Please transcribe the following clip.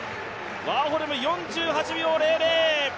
ワーホルム、４８秒００。